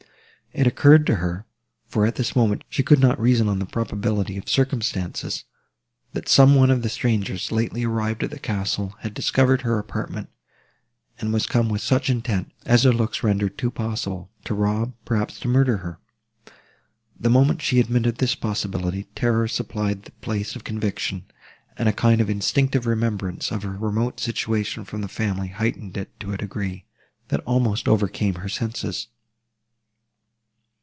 It occurred to her—for, at this moment, she could not reason on the probability of circumstances—that some one of the strangers, lately arrived at the castle, had discovered her apartment, and was come with such intent, as their looks rendered too possible—to rob, perhaps to murder, her. The moment she admitted this possibility, terror supplied the place of conviction, and a kind of instinctive remembrance of her remote situation from the family heightened it to a degree, that almost overcame her senses.